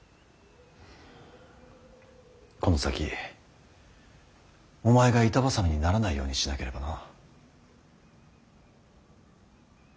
この先お前が板挟みにならないようにしなければな。